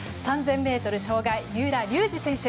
３０００ｍ障害三浦龍司選手。